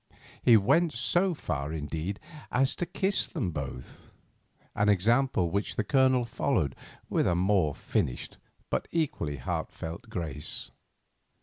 He went so far, indeed, as to kiss them both; an example which the Colonel followed with a more finished but equally heartfelt grace.